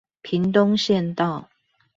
屏東縣道